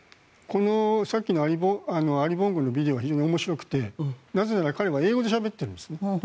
さっきのアリ・ボンゴのビデオは非常に面白くてなぜなら彼は英語でしゃべっているんですね。